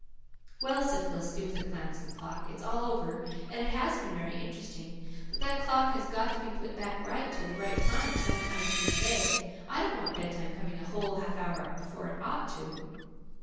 "Well," said Felicity, with a glance at the clock, "it's all over, and it has been very interesting. But that clock has got to be put back to the right time some time through the day. I don't want bedtime coming a whole half hour before it ought to."